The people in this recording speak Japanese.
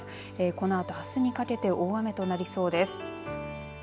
このあとあすにかけて大雨となりそうです。